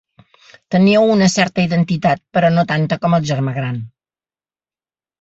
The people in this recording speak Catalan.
Teníeu una certa identitat, però no tanta com el germà gran.